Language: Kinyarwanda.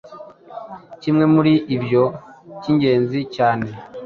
Kimwe muri ibyo cy’ingenzi cyane